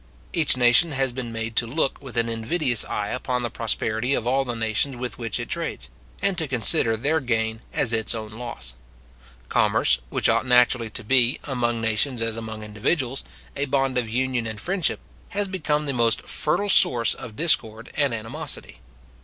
Each nation has been made to look with an invidious eye upon the prosperity of all the nations with which it trades, and to consider their gain as its own loss. Commerce, which ought naturally to be, among nations as among individuals, a bond of union and friendship, has become the most fertile source of discord and animosity.